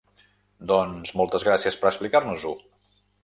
Doncs moltes gràcies per explicar-nos-ho.